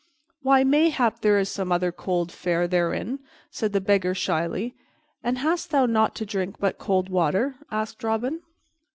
"Why, mayhap there is some other cold fare therein," said the Beggar slyly. "And hast thou nought to drink but cold water?" said Robin.